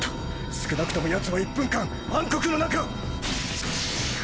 少なくともヤツは１分間暗黒の中！